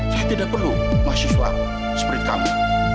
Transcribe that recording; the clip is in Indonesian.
saya tidak perlu mahasiswa seperti kami